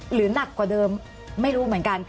หนักกว่าเดิมไม่รู้เหมือนกัน